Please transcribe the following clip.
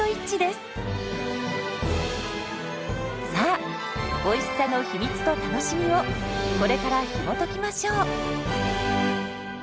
さあおいしさの秘密と楽しみをこれからひもときましょう！